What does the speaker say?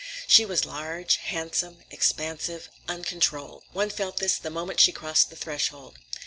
She was large, handsome, expansive, uncontrolled; one felt this the moment she crossed the threshold.